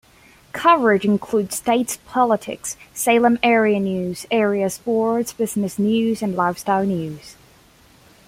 Coverage includes state politics, Salem area news, area sports, business news, and lifestyle news.